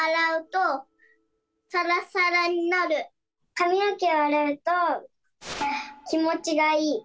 かみのけをあらうときもちがいい。